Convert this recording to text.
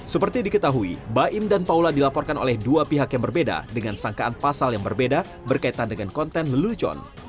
seperti diketahui baim dan paula dilaporkan oleh dua pihak yang berbeda dengan sangkaan pasal yang berbeda berkaitan dengan konten lelucon